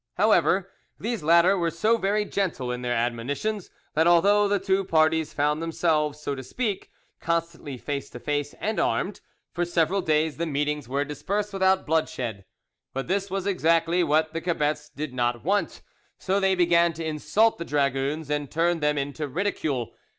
However, these latter were so very gentle in their admonitions, that although the two parties found themselves, so to speak, constantly face to face and armed, for several days the meetings were dispersed without bloodshed. But this was exactly what the cebets did not want, so they began to insult the dragoons and turn them into ridicule.